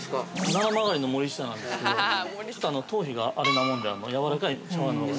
◆ななまがりの森下なんですけどちょっと頭皮があれなもんで、やわらかいシャワーのほうが。